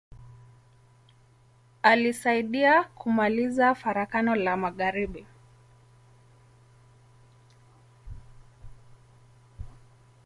Alisaidia kumaliza Farakano la magharibi.